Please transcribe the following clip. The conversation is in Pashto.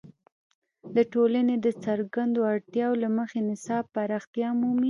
د ټولنې د څرګندو اړتیاوو له مخې نصاب پراختیا مومي.